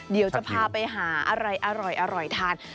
เดี๋ยวจะพาไปหาอะไรอร่อยทาน